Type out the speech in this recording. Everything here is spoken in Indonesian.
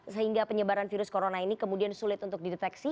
sehingga penyebaran virus corona ini kemudian sulit untuk dideteksi